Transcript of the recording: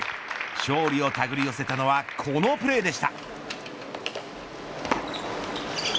勝利をたぐり寄せたのはこのプレーでした。